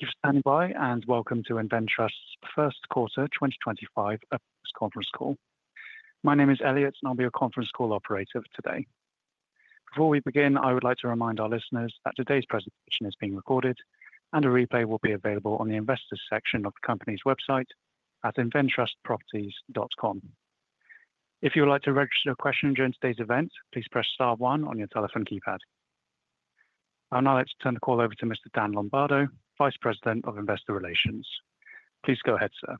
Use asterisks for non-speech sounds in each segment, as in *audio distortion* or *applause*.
Thank you for standing by, and welcome to InvenTrust's first quarter 2025 *audio distortion* conference call. My name is Elliott, and I'll be your conference call operator today. Before we begin, I would like to remind our listeners that today's presentation is being recorded, and a replay will be available on the investors section of the company's website at inventrustproperties.com. If you would like to register a question during today's event, please press star one on your telephone keypad. I would now like to turn the call over to Mr. Dan Lombardo, Vice President of Investor Relations. Please go ahead, sir.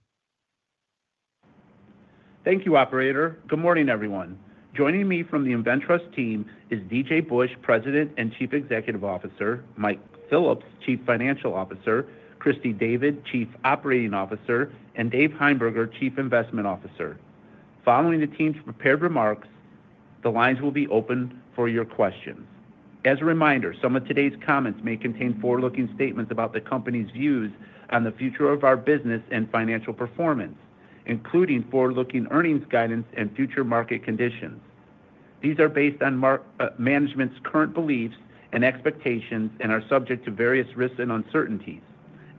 Thank you, Operator. Good morning, everyone. Joining me from the InvenTrust team is D.J. Busch, President and Chief Executive Officer; Mike Phillips, Chief Financial Officer; Christy David, Chief Operating Officer; and Dave Heimberger, Chief Investment Officer. Following the team's prepared remarks, the lines will be open for your questions. As a reminder, some of today's comments may contain forward-looking statements about the company's views on the future of our business and financial performance, including forward-looking earnings guidance and future market conditions. These are based on management's current beliefs and expectations and are subject to various risks and uncertainties.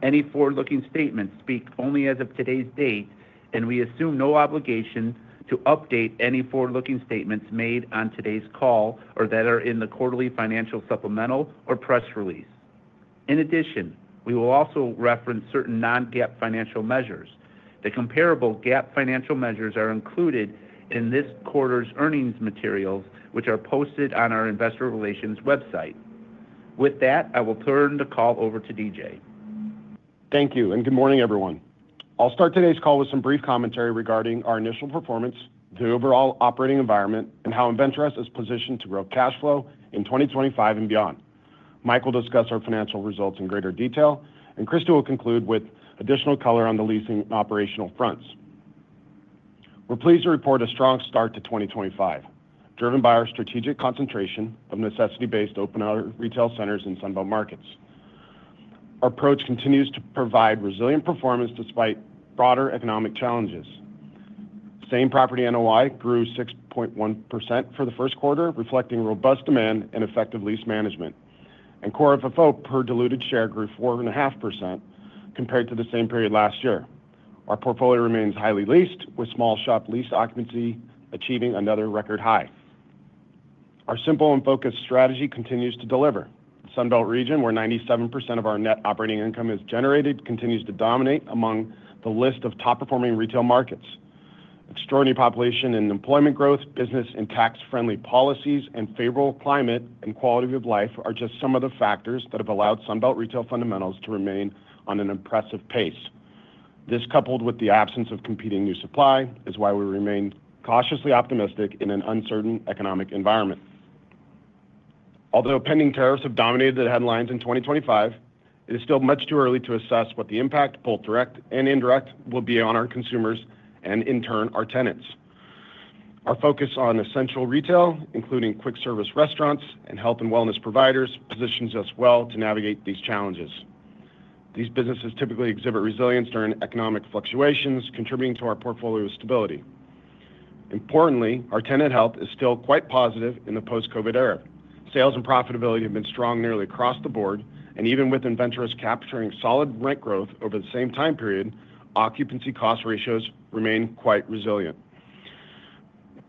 Any forward-looking statements speak only as of today's date, and we assume no obligation to update any forward-looking statements made on today's call or that are in the quarterly financial supplemental or press release. In addition, we will also reference certain non-GAAP financial measures. The comparable GAAP financial measures are included in this quarter's earnings materials, which are posted on our investor relations website. With that, I will turn the call over to D.J. Thank you, and good morning, everyone. I'll start today's call with some brief commentary regarding our initial performance, the overall operating environment, and how InvenTrust is positioned to grow cash flow in 2025 and beyond. Mike will discuss our financial results in greater detail, and Christy will conclude with additional color on the leasing and operational fronts. We're pleased to report a strong start to 2025, driven by our strategic concentration of necessity-based open-air retail centers in Sunbelt markets. Our approach continues to provide resilient performance despite broader economic challenges. Same-property NOI grew 6.1% for the first quarter, reflecting robust demand and effective lease management. Core FFO per diluted share grew 4.5% compared to the same period last year. Our portfolio remains highly leased, with small shop lease occupancy achieving another record high. Our simple and focused strategy continues to deliver. The Sunbelt region, where 97% of our net operating income is generated, continues to dominate among the list of top-performing retail markets. Extraordinary population and employment growth, business and tax-friendly policies, and favorable climate and quality of life are just some of the factors that have allowed Sunbelt retail fundamentals to remain on an impressive pace. This, coupled with the absence of competing new supply, is why we remain cautiously optimistic in an uncertain economic environment. Although pending tariffs have dominated the headlines in 2025, it is still much too early to assess what the impact both direct and indirect will be on our consumers and, in turn, our tenants. Our focus on essential retail, including quick-service restaurants and health and wellness providers, positions us well to navigate these challenges. These businesses typically exhibit resilience during economic fluctuations, contributing to our portfolio's stability. Importantly, our tenant health is still quite positive in the post-COVID era. Sales and profitability have been strong nearly across the board, and even with InvenTrust capturing solid rent growth over the same time period, occupancy cost ratios remain quite resilient.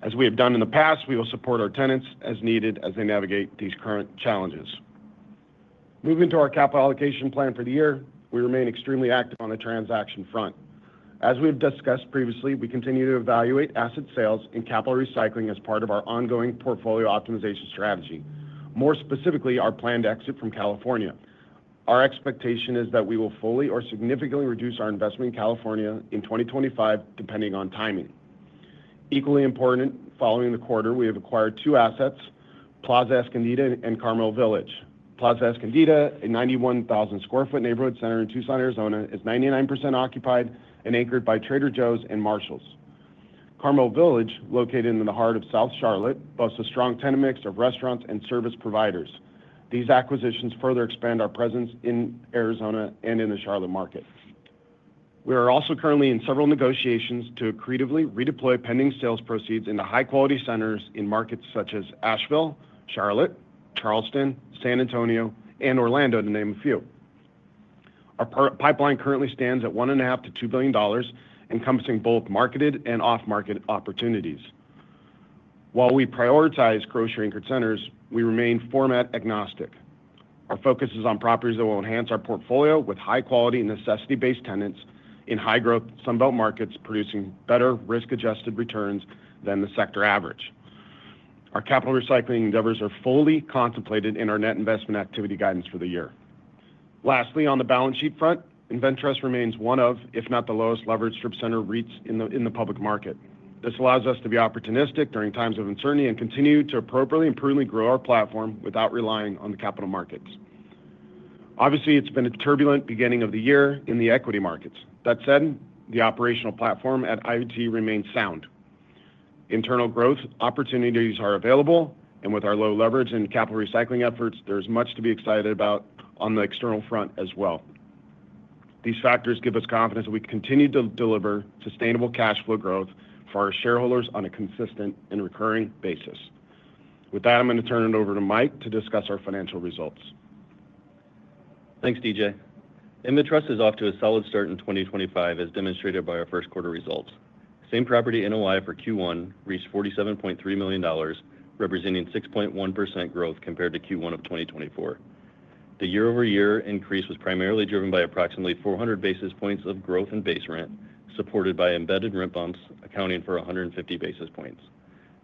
As we have done in the past, we will support our tenants as needed as they navigate these current challenges. Moving to our capital allocation plan for the year, we remain extremely active on the transaction front. As we have discussed previously, we continue to evaluate asset sales and capital recycling as part of our ongoing portfolio optimization strategy, more specifically our planned exit from California. Our expectation is that we will fully or significantly reduce our investment in California in 2025, depending on timing. Equally important, following the quarter, we have acquired two assets: Plaza Escondida and Carmel Village. Plaza Escondida, a 91,000 sq ft neighborhood center in Tucson, Arizona, is 99% occupied and anchored by Trader Joe's and Marshalls. Carmel Village, located in the heart of South Charlotte, boasts a strong tenant mix of restaurants and service providers. These acquisitions further expand our presence in Arizona and in the Charlotte market. We are also currently in several negotiations to accretively redeploy pending sales proceeds into high-quality centers in markets such as Asheville, Charlotte, Charleston, San Antonio, and Orlando, to name a few. Our pipeline currently stands at $1.5 billion-$2 billion, encompassing both marketed and off-market opportunities. While we prioritize grocery-anchored centers, we remain format agnostic. Our focus is on properties that will enhance our portfolio with high-quality and necessity-based tenants in high-growth Sunbelt markets, producing better risk-adjusted returns than the sector average. Our capital recycling endeavors are fully contemplated in our net investment activity guidance for the year. Lastly, on the balance sheet front, InvenTrust remains one of, if not the lowest-leveraged strip center REITs in the public market. This allows us to be opportunistic during times of uncertainty and continue to appropriately and prudently grow our platform without relying on the capital markets. Obviously, it's been a turbulent beginning of the year in the equity markets. That said, the operational platform at IVT remains sound. Internal growth opportunities are available, and with our low leverage and capital recycling efforts, there is much to be excited about on the external front as well. These factors give us confidence that we continue to deliver sustainable cash flow growth for our shareholders on a consistent and recurring basis. With that, I'm going to turn it over to Mike to discuss our financial results. Thanks, D.J. InvenTrust is off to a solid start in 2025, as demonstrated by our first quarter results. Same-property NOI for Q1 reached $47.3 million, representing 6.1% growth compared to Q1 of 2024. The year-over-year increase was primarily driven by approximately 400 basis points of growth in base rent, supported by embedded rent bumps, accounting for 150 basis points.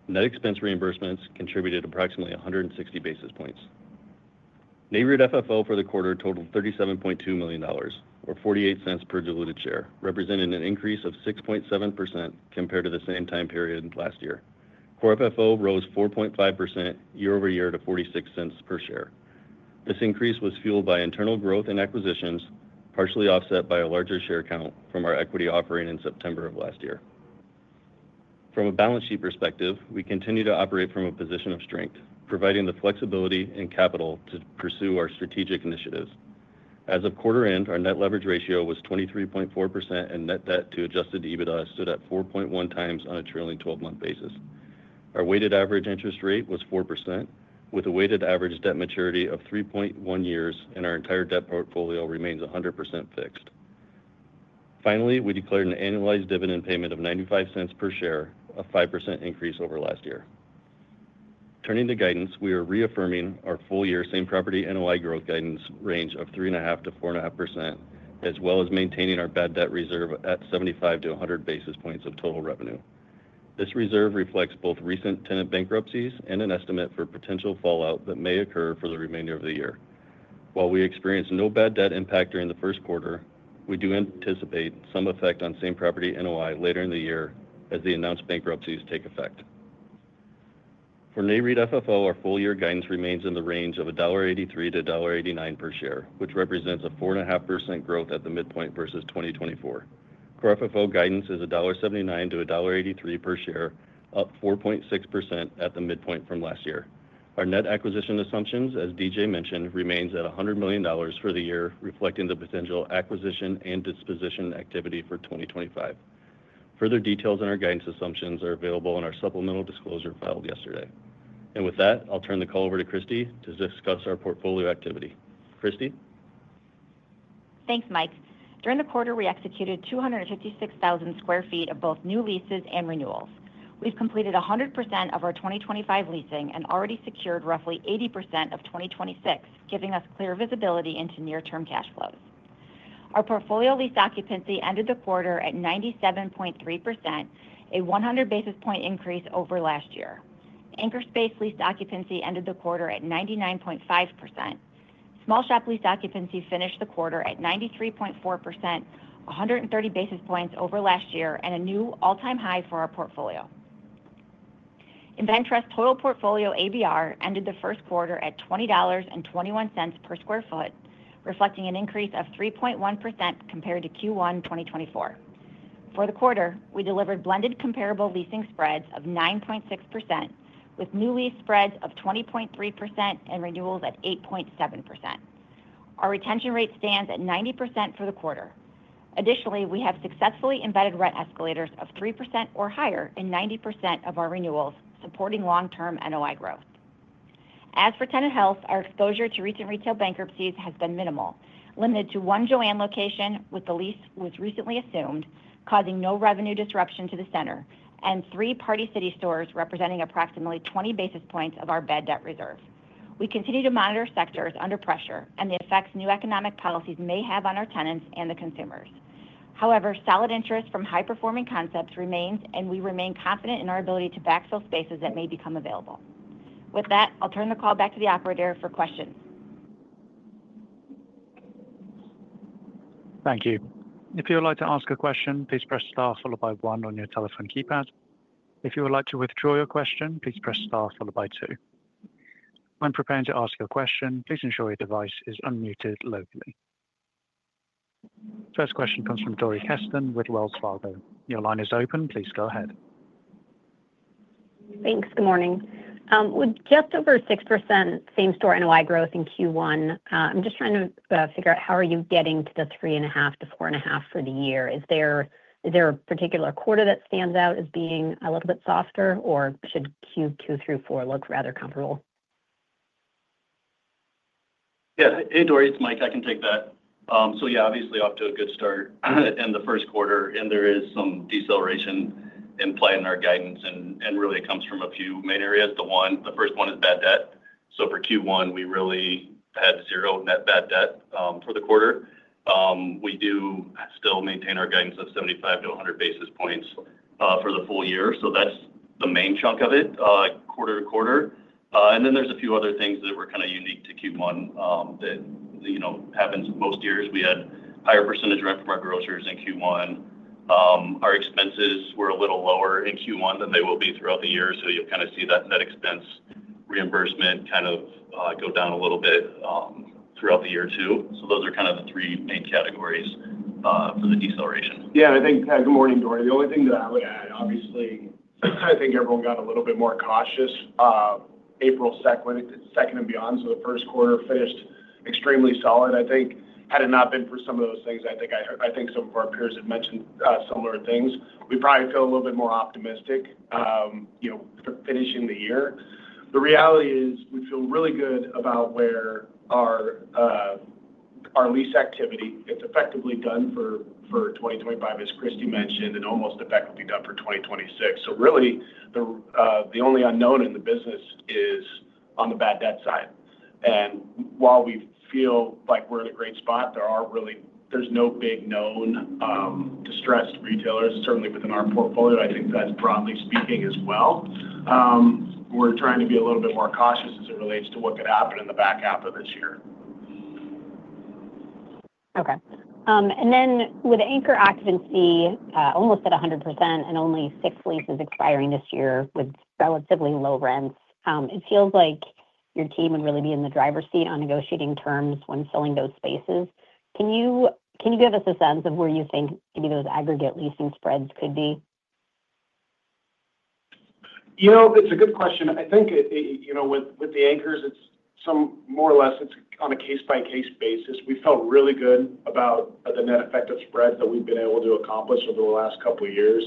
Net expense reimbursements contributed approximately 160 basis points. Nareit FFO for the quarter totaled $37.2 million, or $0.48 per diluted share, representing an increase of 6.7% compared to the same time period last year. Core FFO rose 4.5% year-over-year to $0.46 per share. This increase was fueled by internal growth and acquisitions, partially offset by a larger share count from our equity offering in September of last year. From a balance sheet perspective, we continue to operate from a position of strength, providing the flexibility and capital to pursue our strategic initiatives. As of quarter end, our net leverage ratio was 23.4%, and net debt-to-adjusted EBITDA stood at 4.1x on a trailing 12-month basis. Our weighted average interest rate was 4%, with a weighted average debt maturity of 3.1 years, and our entire debt portfolio remains 100% fixed. Finally, we declared an annualized dividend payment of $0.95 per share, a 5% increase over last year. Turning to guidance, we are reaffirming our full year same-property NOI growth guidance range of 3.5%-4.5%, as well as maintaining our bad debt reserve at 75-100 basis points of total revenue. This reserve reflects both recent tenant bankruptcies and an estimate for potential fallout that may occur for the remainder of the year. While we experienced no bad debt impact during the first quarter, we do anticipate some effect on same-property NOI later in the year as the announced bankruptcies take effect. For Nareit FFO, our full year guidance remains in the range of $1.83-$1.89 per share, which represents a 4.5% growth at the midpoint versus 2024. Core FFO guidance is $1.79-$1.83 per share, up 4.6% at the midpoint from last year. Our net acquisition assumptions, as D.J. mentioned, remains at $100 million for the year, reflecting the potential acquisition and disposition activity for 2025. Further details on our guidance assumptions are available in our supplemental disclosure filed yesterday. With that, I'll turn the call over to Christy to discuss our portfolio activity. Christy? Thanks, Mike. During the quarter, we executed 256,000 sq ft of both new leases and renewals. We've completed 100% of our 2025 leasing and already secured roughly 80% of 2026, giving us clear visibility into near-term cash flows. Our portfolio leased occupancy ended the quarter at 97.3%, a 100 basis point increase over last year. Anchor space leased occupancy ended the quarter at 99.5%. Small shop leased occupancy finished the quarter at 93.4%, 130 basis points over last year and a new all-time high for our portfolio. InvenTrust total portfolio ABR ended the first quarter at $20.21 per sq ft, reflecting an increase of 3.1% compared to Q1 2024. For the quarter, we delivered blended comparable leasing spreads of 9.6%, with new lease spreads of 20.3% and renewals at 8.7%. Our retention rate stands at 90% for the quarter. Additionally, we have successfully embedded rent escalators of 3% or higher in 90% of our renewals, supporting long-term NOI growth. As for tenant health, our exposure to recent retail bankruptcies has been minimal, limited to one Jo-Ann location with the lease was recently assumed, causing no revenue disruption to the center, and three Party City stores representing approximately 20 basis points of our bad debt reserve. We continue to monitor sectors under pressure and the effects new economic policies may have on our tenants and the consumers. However, solid interest from high-performing concepts remains, and we remain confident in our ability to backfill spaces that may become available. With that, I'll turn the call back to the operator for questions. Thank you. If you would like to ask a question, please press star followed by one on your telephone keypad. If you would like to withdraw your question, please press star followed by two. When preparing to ask your question, please ensure your device is unmuted locally. First question comes from Dori Kesten with Wells Fargo. Your line is open. Please go ahead. Thanks. Good morning. With just over 6% same-store NOI growth in Q1, I'm just trying to figure out how are you getting to the 3.5%-4.5% for the year. Is there a particular quarter that stands out as being a little bit softer, or should Q2 through Q4 look rather comparable? Yeah. Hey, Dori, it's Mike. I can take that. Yeah, obviously, off to a good start in the first quarter, and there is some deceleration implied in our guidance, and really it comes from a few main areas. The first one is bad debt. For Q1, we really had zero net bad debt for the quarter. We do still maintain our guidance of 75-100 basis points for the full year. That's the main chunk of it quarter-to-quarter. There are a few other things that were kind of unique to Q1 that happen most years. We had higher percentage rent from our grocers in Q1. Our expenses were a little lower in Q1 than they will be throughout the year. You'll kind of see that net expense reimbursement go down a little bit throughout the year too. Those are kind of the three main categories for the deceleration. Yeah. I think, good morning, Dori. The only thing that I would add, obviously, I think everyone got a little bit more cautious April 2nd and beyond. The first quarter finished extremely solid. I think, had it not been for some of those things, I think some of our peers had mentioned similar things. We probably feel a little bit more optimistic finishing the year. The reality is we feel really good about where, our lease activity, it's effectively done for 2025, as Christy mentioned, and almost effectively done for 2026. Really, the only unknown in the business is on the bad debt side. While we feel like we're in a great spot, there's no big known distressed retailers, certainly within our portfolio. I think that's broadly speaking as well. We're trying to be a little bit more cautious as it relates to what could happen in the back half of this year. Okay. With anchor occupancy almost at 100% and only six leases expiring this year with relatively low rents, it feels like your team would really be in the driver's seat on negotiating terms when selling those spaces. Can you give us a sense of where you think maybe those aggregate leasing spreads could be? You know, it's a good question. I think with the anchors, it's more or less it's on a case-by-case basis. We felt really good about the net effective spread that we've been able to accomplish over the last couple of years.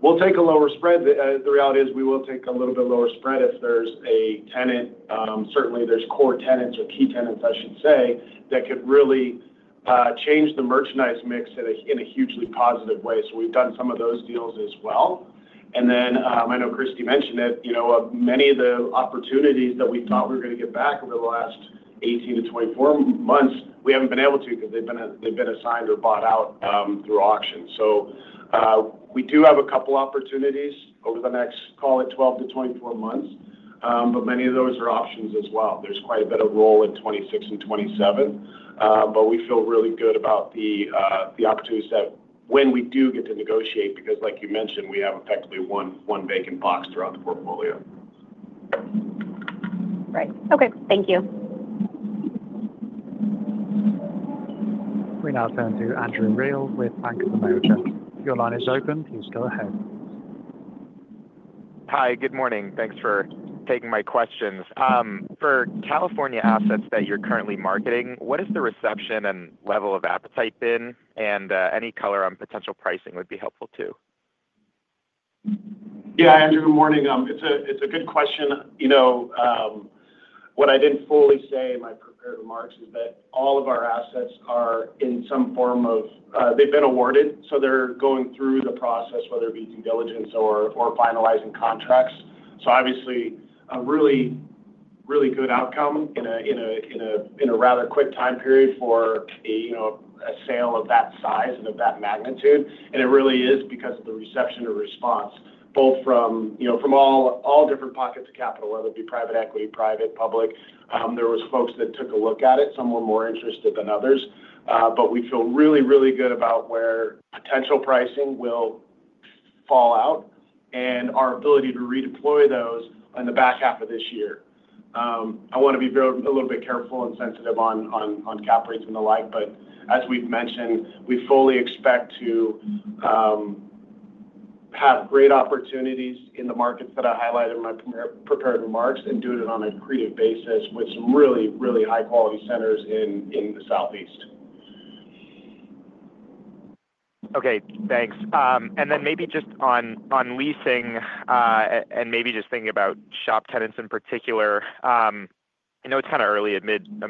We'll take a lower spread. The reality is we will take a little bit lower spread if there's a tenant. Certainly, there's core tenants or key tenants, I should say, that could really change the merchandise mix in a hugely positive way. We've done some of those deals as well. I know Christy mentioned it. Many of the opportunities that we thought we were going to get back over the last 18-24 months, we haven't been able to because they've been assigned or bought out through auction. We do have a couple of opportunities over the next, call it 12-24 months, but many of those are options as well. There is quite a bit of roll in 2026 and 2027, but we feel really good about the opportunities set when we do get to negotiate because, like you mentioned, we have effectively one vacant box throughout the portfolio. Right. Okay. Thank you. We now turn to Andrew Reale with Bank of America. Your line is open. Please go ahead. Hi. Good morning. Thanks for taking my questions. For California assets that you're currently marketing, what has the reception and level of appetite been? And any color on potential pricing would be helpful too. Yeah, Andrew, good morning. It's a good question. What I didn't fully say in my prepared remarks is that all of our assets are in some form of they've been awarded, so they're going through the process, whether it be due diligence or finalizing contracts. Obviously, a really, really good outcome in a rather quick time period for a sale of that size and of that magnitude. It really is because of the reception or response, both from all different pockets of capital, whether it be private equity, private, public. There were folks that took a look at it. Some were more interested than others. We feel really, really good about where potential pricing will fall out and our ability to redeploy those in the back half of this year. I want to be a little bit careful and sensitive on cap rates and the like, but as we've mentioned, we fully expect to have great opportunities in the markets that I highlighted in my prepared remarks and do it on an accretive basis with some really, really high-quality centers in the Southeast. Okay. Thanks. Maybe just on leasing and maybe just thinking about shop tenants in particular, I know it's kind of early amid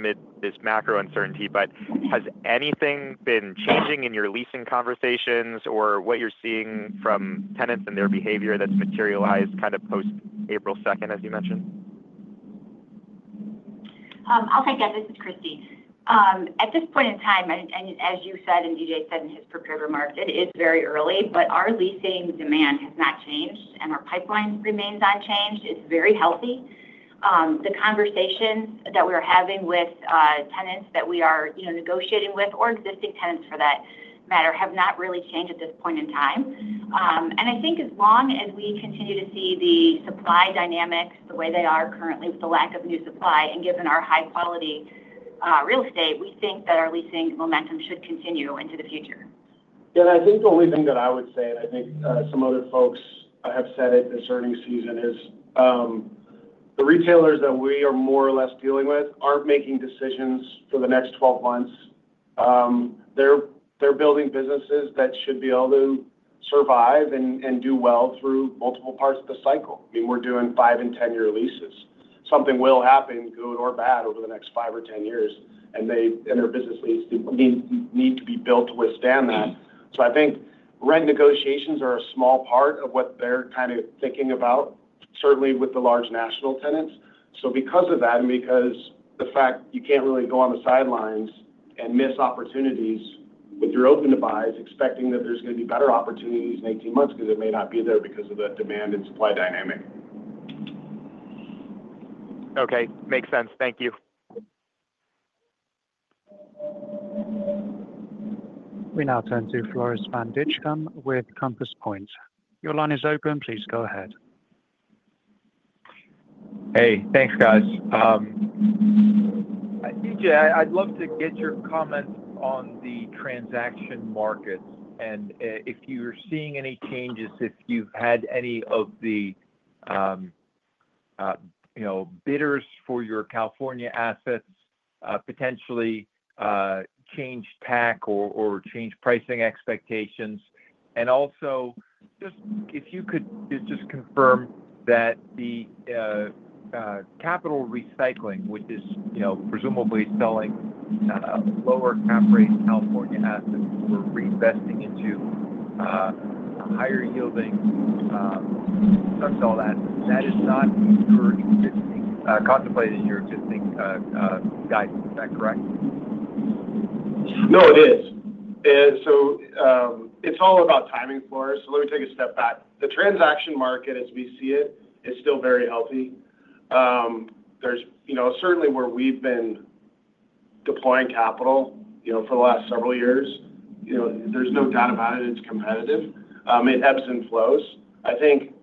this macro uncertainty, but has anything been changing in your leasing conversations or what you're seeing from tenants and their behavior that's materialized kind of post April 2nd, as you mentioned? I'll take that. This is Christy. At this point in time, and as you said and D.J. said in his prepared remarks, it is very early, but our leasing demand has not changed, and our pipeline remains unchanged. It's very healthy. The conversations that we are having with tenants that we are negotiating with or existing tenants, for that matter, have not really changed at this point in time. I think as long as we continue to see the supply dynamics the way they are currently with the lack of new supply and given our high-quality real estate, we think that our leasing momentum should continue into the future. Yeah. I think the only thing that I would say, and I think some other folks have said it this earnings season, is the retailers that we are more or less dealing with aren't making decisions for the next 12 months. They're building businesses that should be able to survive and do well through multiple parts of the cycle. I mean, we're doing five- and 10-year leases. Something will happen, good or bad, over the next five or 10 years, and their business need to be built to withstand that. I think rent negotiations are a small part of what they're kind of thinking about, certainly with the large national tenants. Because of that and because the fact, you can't really go on the sidelines and miss opportunities with your open-to-buys, expecting that there's going to be better opportunities in 18 months because it may not be there because of the demand-and-supply dynamic. Okay. Makes sense. Thank you. We now turn to Floris van Dijkum with Compass Point. Your line is open. Please go ahead. Hey. Thanks, guys. D.J., I'd love to get your comments on the transaction markets and if you're seeing any changes, if you've had any of the bidders for your California assets potentially change tack or change pricing expectations. Also, just if you could just confirm that the capital recycling, which is presumably selling lower-cap-rate California assets or reinvesting into higher-yielding *audio distortion* all that, that is not contemplated in your existing guidance. Is that correct? No, it is. It's all about timing, Floris. Let me take a step back. The transaction market, as we see it, is still very healthy. Certainly, where we've been deploying capital for the last several years, there's no doubt about it. It's competitive. It ebbs and flows. I think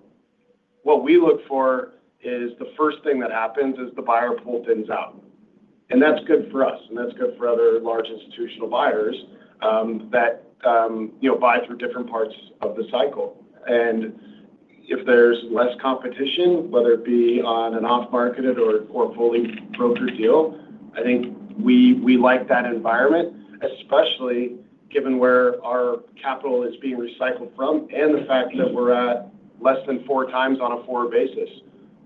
what we look for is the first thing that happens is the buyer pulls things out. That's good for us, and that's good for other large institutional buyers that buy through different parts of the cycle. If there's less competition, whether it be on an off-marketed or fully brokered deal, I think we like that environment, especially given where our capital is being recycled from and the fact that we're at less than 4x on a forward basis.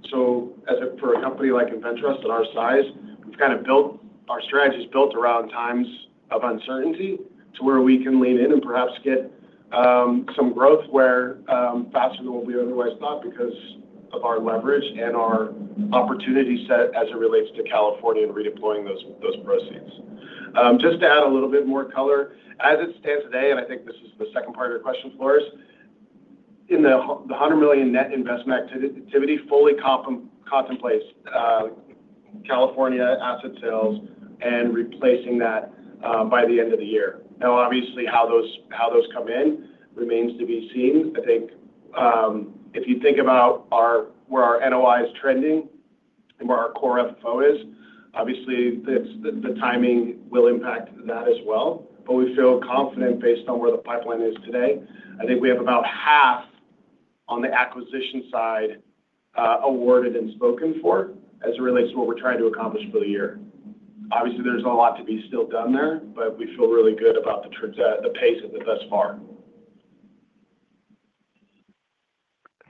For a company like InvenTrust, at our size, we've kind of built our strategy around times of uncertainty to where we can lean in and perhaps get some growth faster than what we otherwise thought because of our leverage and our opportunity set as it relates to California and redeploying those proceeds. Just to add a little bit more color, as it stands today, and I think this is the second part of your question, Floris, the $100 million net investment activity fully contemplates California asset sales and replacing that by the end of the year. Now, obviously, how those come in remains to be seen. I think if you think about where our NOI is trending and where our core FFO is, obviously, the timing will impact that as well. We feel confident based on where the pipeline is today. I think we have about half on the acquisition side awarded and spoken for as it relates to what we're trying to accomplish for the year. Obviously, there's a lot to be still done there, but we feel really good about the pace of it thus far.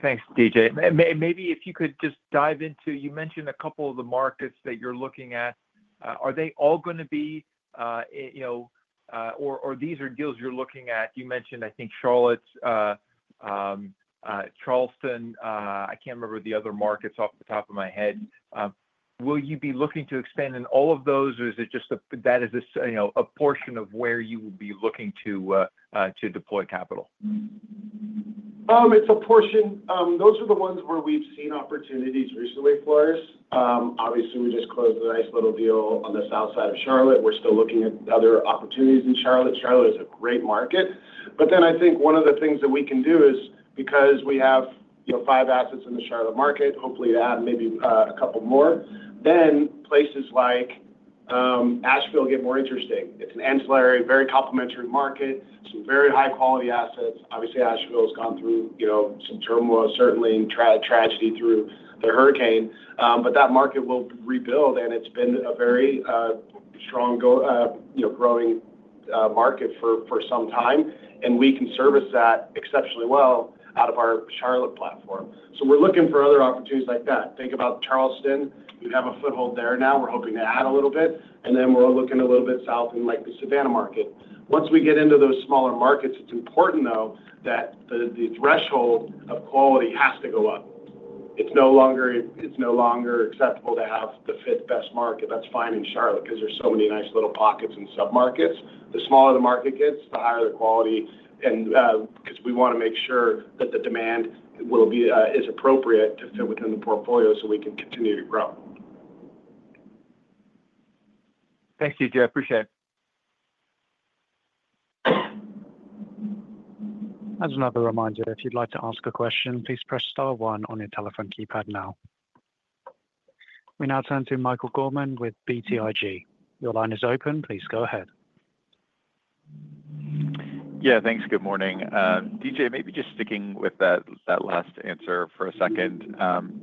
Thanks, D.J. Maybe if you could just dive into, you mentioned a couple of the markets that you're looking at. Are they all going to be or these are deals you're looking at. You mentioned, I think, Charlotte, Charleston. I can't remember the other markets off the top of my head. Will you be looking to expand in all of those, or is it just that is a portion of where you will be looking to deploy capital? It's a portion. Those are the ones where we've seen opportunities recently, Floris. Obviously, we just closed a nice little deal on the south side of Charlotte. We're still looking at other opportunities in Charlotte. Charlotte is a great market. I think one of the things that we can do is, because we have five assets in the Charlotte market, hopefully, to add maybe a couple more. Then places like Asheville get more interesting. It's an ancillary, very complementary market, some very high-quality assets. Obviously, Asheville has gone through some turmoil, certainly, tragedy through the hurricane, but that market will rebuild, and it's been a very strong growing market for some time, and we can service that exceptionally well out of our Charlotte platform. We're looking for other opportunities like that. Think about Charleston. We have a foothold there now. We're hoping to add a little bit. We're looking a little bit south, in the Savannah market. Once we get into those smaller markets, it's important, though, that the threshold of quality has to go up. It's no longer acceptable to have the fifth best market. That's fine in Charlotte because there's so many nice little pockets and sub-markets. The smaller the market gets, the higher the quality because we want to make sure that the demand is appropriate to fit within the portfolio so we can continue to grow. Thank you, D.J. Appreciate it. As another reminder, if you'd like to ask a question, please press star one on your telephone keypad now. We now turn to Michael Gorman with BTIG. Your line is open. Please go ahead. Yeah. Thanks. Good morning. D.J., maybe just sticking with that last answer for a second.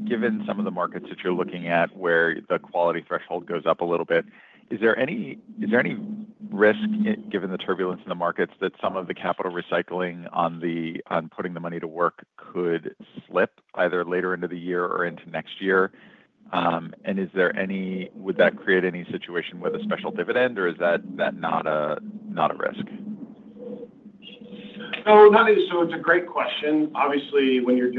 Given some of the markets that you're looking at where the quality threshold goes up a little bit, is there any risk, given the turbulence in the markets, that some of the capital recycling on putting the money to work could slip either later into the year or into next year? Would that create any situation with a special dividend, or is that not a risk? It's a great question. Obviously, when you're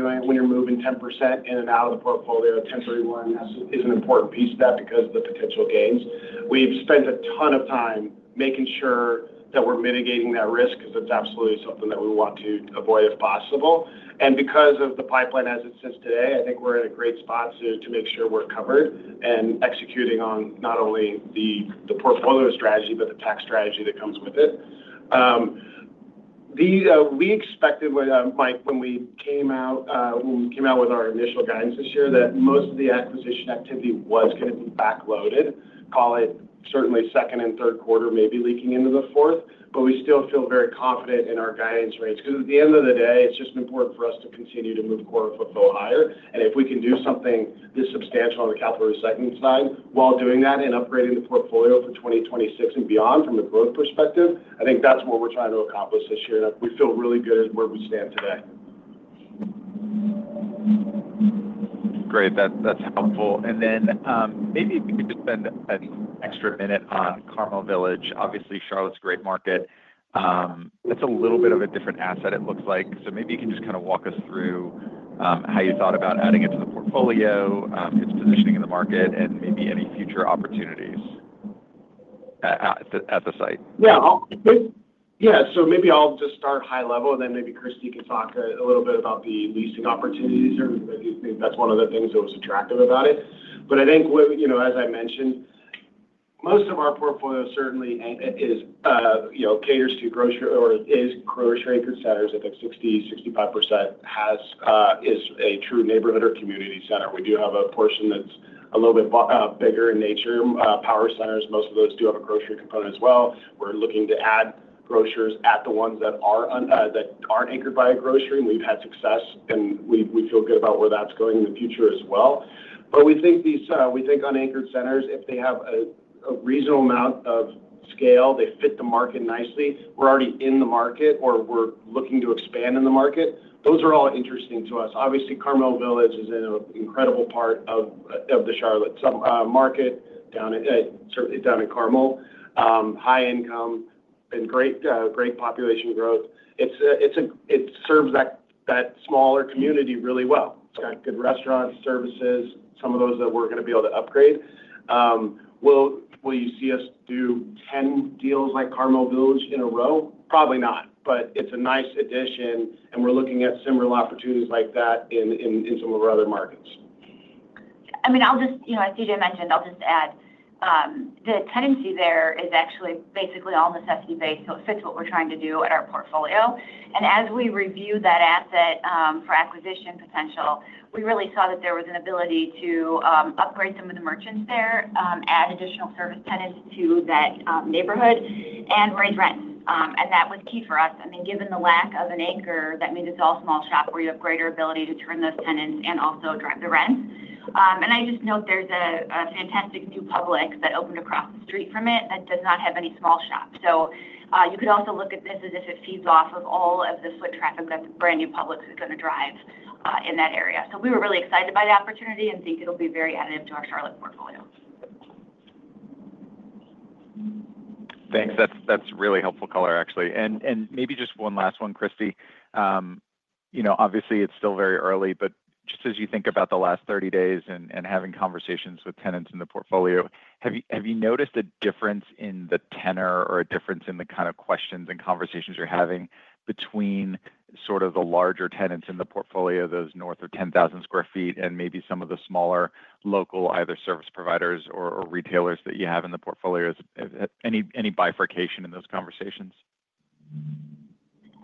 moving 10% in and out of the portfolio, 1031 is an important piece of that because of the potential gains. We've spent a ton of time making sure that we're mitigating that risk because it's absolutely something that we want to avoid if possible. Because of the pipeline as it sits today, I think we're in a great spot to make sure we're covered and executing on not only the portfolio strategy but the tax strategy that comes with it. We expected, Mike, when we came out with our initial guidance this year, that most of the acquisition activity was going to be backloaded, call it certainly second and third quarter, maybe leaking into the fourth, but we still feel very confident in our guidance rates because, at the end of the day, it's just important for us to continue to move core FFO higher. If we can do something this substantial on the capital recycling side while doing that and upgrading the portfolio for 2026 and beyond from a growth perspective, I think that's what we're trying to accomplish this year. We feel really good where we stand today. Great. That's helpful. Maybe if you could just spend an extra minute on Carmel Village. Obviously, Charlotte's a great market. It's a little bit of a different asset, it looks like. Maybe you can just kind of walk us through how you thought about adding it to the portfolio, its positioning in the market, and maybe any future opportunities at the site. Yeah. Yeah. Maybe I'll just start high level, and then maybe Christy can talk a little bit about the leasing opportunities. I think that's one of the things that was attractive about it. I think, as I mentioned, most of our portfolio certainly caters to or is grocery-anchored centers. I think 60%, 65% is a true neighborhood or community center. We do have a portion that's a little bit bigger in nature, power centers. Most of those do have a grocery component as well. We're looking to add grocers at the ones that aren't anchored by a grocery. We've had success, and we feel good about where that's going in the future as well. We think, unanchored centers, if they have a reasonable amount of scale, they fit the market nicely. We're already in the market, or we're looking to expand in the market. Those are all interesting to us. Obviously, Carmel Village is an incredible part of the Charlotte market down in Carmel, high income and great population growth. It serves that smaller community really well. It's got good restaurants, services, some of those that we're going to be able to upgrade. Will you see us do 10 deals like Carmel Village in a row? Probably not, but it's a nice addition, and we're looking at similar opportunities like that in some of our other markets. I mean, as D.J. mentioned, I'll just add the tenancy there is actually basically all necessity-based, so it fits what we're trying to do at our portfolio. As we reviewed that asset for acquisition potential, we really saw that there was an ability to upgrade some of the merchants there, add additional service tenants to that neighborhood, and raise rents. That was key for us. I mean, given the lack of an anchor, that means it's all small shop, where you have greater ability to turn those tenants and also drive the rents. I'd just note there's a fantastic new Publix that opened across the street from it that does not have any small shop. You could also look at this as if it feeds off of all of the foot traffic that the brand-new Publix is going to drive in that area. We were really excited by the opportunity and think it'll be very additive to our Charlotte portfolio. Thanks. That's really helpful color, actually. Maybe just one last one, Christy. Obviously, it's still very early, but just as you think about the last 30 days and having conversations with tenants in the portfolio, have you noticed a difference in the tenor or a difference in the kind of questions and conversations you're having between sort of the larger tenants in the portfolio, those north of 10,000 sq ft, and maybe some of the smaller local either service providers or retailers that you have in the portfolio? Any bifurcation in those conversations?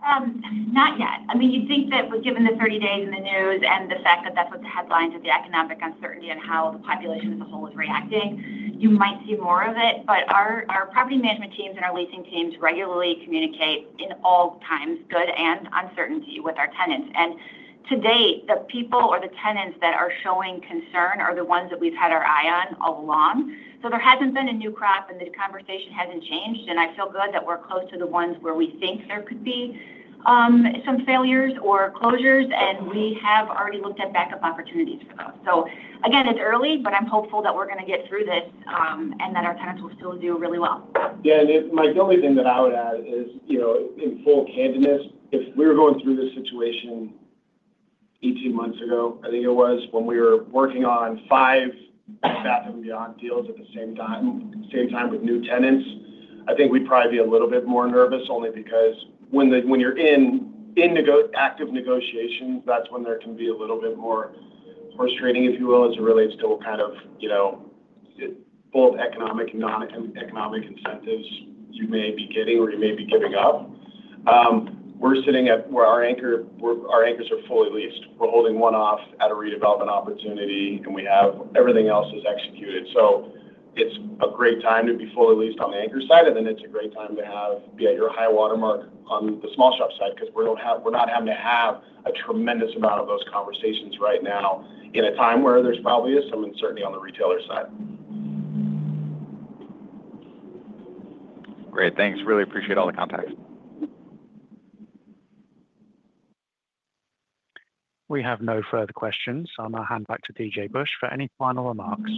Not yet. I mean, you'd think that given the 30 days in the news and the fact that that was the headlines of the economic uncertainty and how the population as a whole is reacting, you might see more of it. Our property management teams and our leasing teams regularly communicate in all times, good and uncertainty, with our tenants. To date, the people or the tenants that are showing concern are the ones that we've had our eye on along. There hasn't been a new crop, and the conversation hasn't changed. I feel good that we're close to the ones where we think there could be some failures or closures, and we have already looked at backup opportunities for those. Again, it's early, but I'm hopeful that we're going to get through this and that our tenants will still do really well. Yeah. Mike, the only thing that I would add is, in full candidness, if we were going through this situation 18 months ago, I think it was, when we were working on five Bed Bath & Beyond deals at the same time with new tenants, I think we'd probably be a little bit more nervous only because when you're in active negotiations, that's when there can be a little bit more first training, if you will, as it relates to kind of both economic and non-economic incentives you may be getting or you may be giving up. We're sitting at where our anchors are fully leased. We're holding one off at a redevelopment opportunity, and we have everything else is executed. It is a great time to be fully leased on the anchor side, and then it is a great time to have your high watermark on the small shop side because we are not having to have a tremendous amount of those conversations right now in a time where there is probably some uncertainty on the retailer side. Great. Thanks. Really appreciate all the context. We have no further questions. I'll now hand back to D.J. Busch for any final remarks.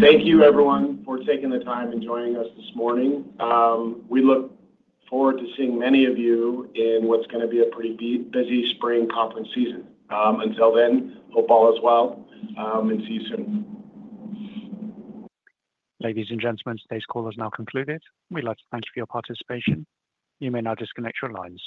Thank you, everyone, for taking the time and joining us this morning. We look forward to seeing many of you in what is going to be a pretty busy spring conference season. Until then, hope all is well, and see you soon. Ladies and gentlemen, today's call has now concluded. We'd like to thank you for your participation. You may now disconnect your lines.